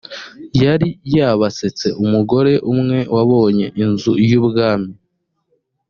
yari yabasetse umugore umwe wabonye inzu y ubwami